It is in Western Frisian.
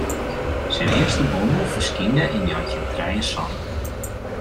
Syn earste bondel ferskynde yn njoggentjin trije en santich.